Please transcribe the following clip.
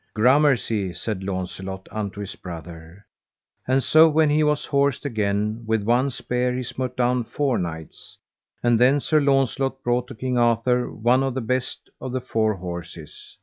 Gramercy, said Launcelot unto his brother. And so when he was horsed again, with one spear he smote down four knights. And then Sir Launcelot brought to King Arthur one of the best of the four horses.